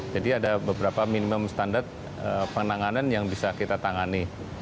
jadi ada beberapa minimum standar penanganan yang bisa kita tangani